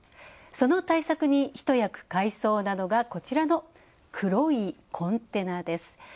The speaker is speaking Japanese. その対策に一役買いそうなのがこちらの黒いコンテナです。